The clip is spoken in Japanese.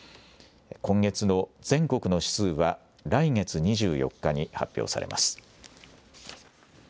今月の全国の指数は来月２４日に発表されます。